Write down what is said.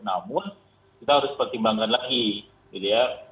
namun kita harus pertimbangkan lagi gitu ya